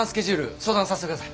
相談させてください。